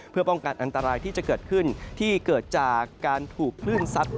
เพื่อป้องกันอันตรายที่จะเกิดขึ้นที่เกิดจากการถูกคลื่นซัด